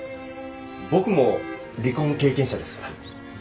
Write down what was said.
僕も離婚経験者ですから。